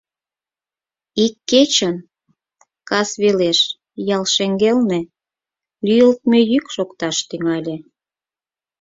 Ик кечын кас велеш ял шеҥгелне лӱйылтмӧ йӱк шокташ тӱҥале.